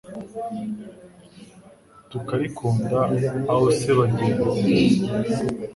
Tukarikunda aho se bagenzi!